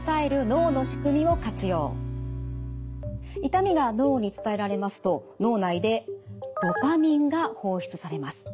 痛みが脳に伝えられますと脳内でドパミンが放出されます。